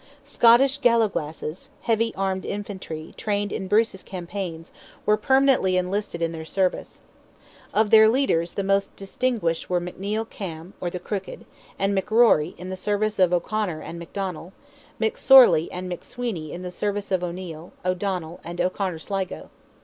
Scottish gallowglasses—heavy armed infantry, trained in Bruce's campaigns, were permanently enlisted in their service. Of their leaders the most distinguished were McNeil Cam, or the Crooked, and McRory, in the service of O'Conor, and McDonnell, McSorley, and McSweeney, in the service of O'Neil, O'Donnell, and O'Conor Sligo.